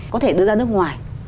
có thể đưa ra nước ngoài